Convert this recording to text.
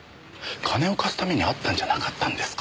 金を貸すために会ったんじゃなかったんですか？